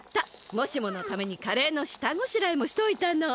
もしものためにカレーの下ごしらえもしといたの。